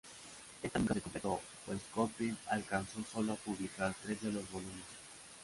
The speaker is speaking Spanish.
Esta nunca se completó, pues Köppen alcanzó solo a publicar tres de los volúmenes.